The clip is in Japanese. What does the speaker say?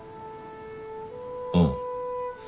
うん。